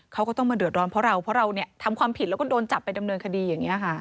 เขาก็ต้องมาเดือดร้อนเพราะเราเพราะเราทำความผิดแล้วก็โดนจับไปดำเนินคดีอย่างนี้ค่ะ